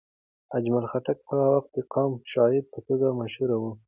اجمل خټک هغه وخت د قامي شاعر په توګه مشهور و.